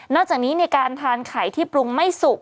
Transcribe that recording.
จากนี้ในการทานไข่ที่ปรุงไม่สุก